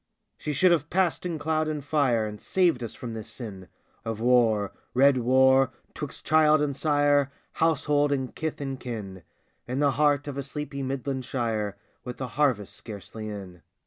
She should have passed in cloud and fire And saved us from this sin Of war — red Avar — 'twixt child and sire, Household and kith and kin, In the heart of a sleepy Midland shire, With the harvest scarcely in.